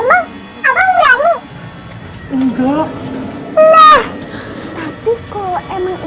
udah dah udah dah